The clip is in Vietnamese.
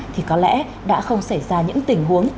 thì có lẽ đã không xảy ra những tình huống